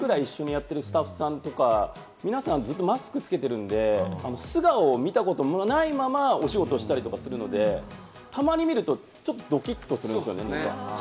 僕らは番組とか２年ぐらい一緒にやってるスタッフさんとか、皆さん、ずっとマスクつけてるので、素顔を見たこともないまま、お仕事したりとかするので、たまに見ると、ちょっとドキッとするんですよね。